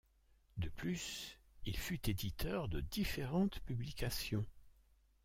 De plus, il fut éditeur de différentes publications.